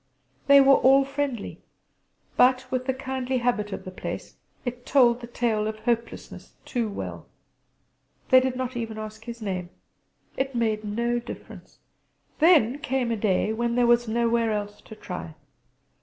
They were all friendly but, with the kindly habit of the place: it told the tale of hopelessness too well. They did not even ask his name; it made no difference. Then came a day when there was nowhere else to try.